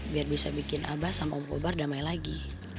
biar bisa bikin abah sama om bubar damai lagi